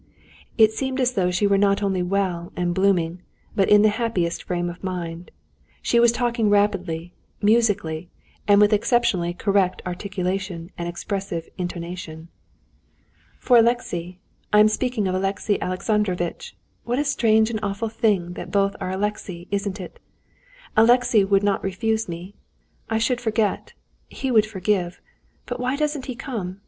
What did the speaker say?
It seemed as though she were not only well and blooming, but in the happiest frame of mind. She was talking rapidly, musically, and with exceptionally correct articulation and expressive intonation. "For Alexey—I am speaking of Alexey Alexandrovitch (what a strange and awful thing that both are Alexey, isn't it?)—Alexey would not refuse me. I should forget, he would forgive.... But why doesn't he come?